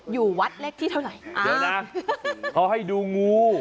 อยู่วัดเลขที่เท่าไหร่อ่าเดี๋ยวนะเขาให้ดูงู